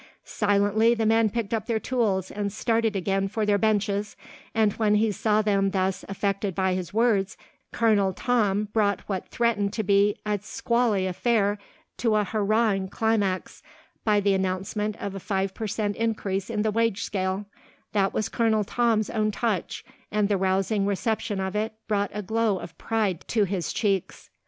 Silently, the men picked up their tools and started again for their benches and when he saw them thus affected by his words Colonel Tom brought what threatened to be a squally affair to a hurrahing climax by the announcement of a five per cent increase in the wage scale that was Colonel Tom's own touch and the rousing reception of it brought a glow of pride to his cheeks.